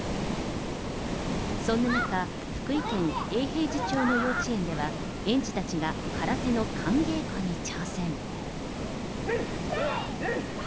そんな中、福井県永平寺町の幼稚園では園児たちが空手の寒稽古に挑戦。